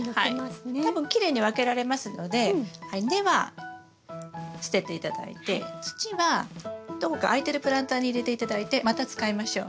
多分きれいに分けられますので根は捨てて頂いて土はどこか空いてるプランターに入れて頂いてまた使いましょう。